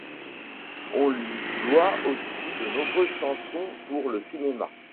On lui doit aussi de nombreuses chansons pour le cinéma.